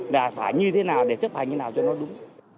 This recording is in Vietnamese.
là phải như thế nào để chấp hành như nào cho nó đúng